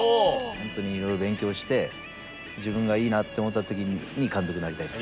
本当にいろいろ勉強して自分がいいなって思った時に監督になりたいです。